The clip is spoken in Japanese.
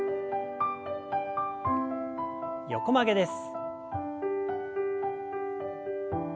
横曲げです。